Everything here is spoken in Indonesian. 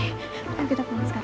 nanti aku juga laporin dia ke polisi